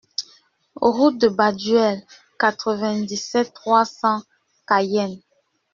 Route de Baduel, quatre-vingt-dix-sept, trois cents Cayenne